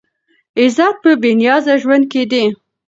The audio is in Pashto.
عزت په بې نیازه ژوند کې دی.